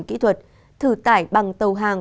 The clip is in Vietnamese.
kỹ thuật thử tải bằng tàu hàng